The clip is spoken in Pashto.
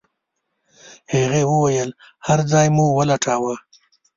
هغې وويل هر ځای مو ولټاوه.